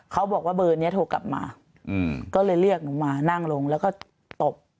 เขาบอกว่าเบอร์นี้โทรกลับมาก็เลยเรียกหนูมานั่งลงแล้วก็ตบ